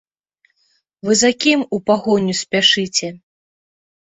Вы за кім у пагоню спяшыце?